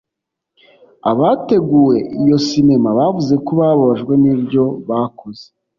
Abateguye iyo sinema bavuze ko babajwe n'ibyo bakoze